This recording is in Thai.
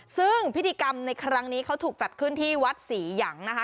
ซึ่งพิธีกรรมในครั้งนี้เขาถูกจัดขึ้นที่วัดศรีหยังนะคะ